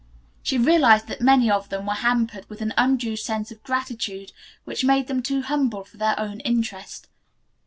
She realized that many of them were hampered with an undue sense of gratitude which made them too humble for their own interest.